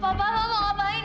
bapak kamu kemana pak